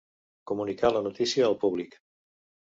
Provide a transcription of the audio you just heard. Comunicar la notícia al públic.